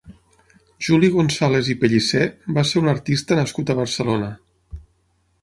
Juli González i Pellicer va ser un artista nascut a Barcelona.